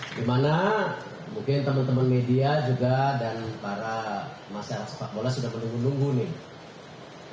di mana mungkin teman teman media juga dan para masyarakat sepak bola sudah menunggu nunggu nih